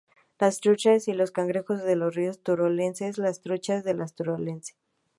Las truchas y los cangrejos de los ríos turolenses, las truchas a la turolense.